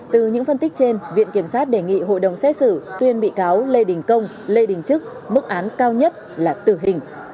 từ những phân tích trên viện kiểm sát đề nghị hội đồng xét xử tuyên bị cáo lê đình công lê đình trức mức án cao nhất là tử hình